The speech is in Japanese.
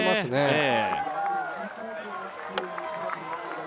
ええ